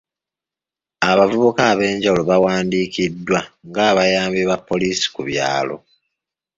Abavubuka ab'enjawulo bawandiikiddwa nga abayambi ba poliisi ku byalo.